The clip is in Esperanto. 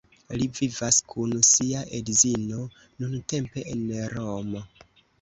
Li vivas kun sia edzino nuntempe en Romo.